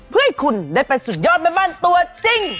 เพื่อให้คุณได้เป็นสุดยอดแม่บ้านตัวจริง